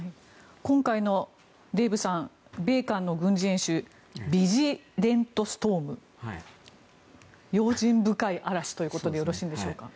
今回の、デーブさん米韓の軍事演習ビジラントストーム用心深い嵐ということでよろしいんでしょうか。